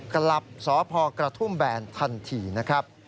กลับสพกระทุ่มแบนทันทีนะครับ